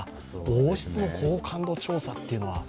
王室も好感度調査というのは。